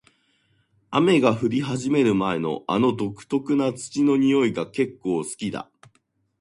雨が降り始める前の、あの独特な土の匂いが結構好きだ。